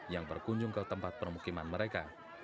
yang berkunjung ke tempat permukiman mereka